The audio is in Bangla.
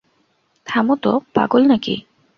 থামো তো, পাগল নাকি।